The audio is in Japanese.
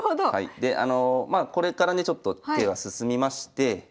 でまあこれからねちょっと手が進みまして。